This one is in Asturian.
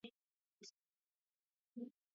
Sí, ye un poco desaxerao.